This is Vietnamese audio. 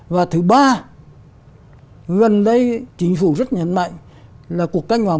và thứ ba gần đây chính phủ rất nhấn mạnh là cuộc cách ngoài bốn